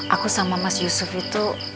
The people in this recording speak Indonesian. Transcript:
aku sama mas yusuf itu